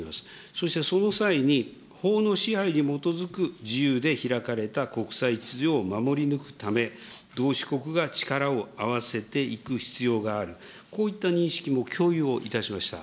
そして、その際に、法の支配に基づく自由で開かれた国際秩序を守り抜くため、同志国が力を合わせていく必要がある、こういった認識も共有をいたしました。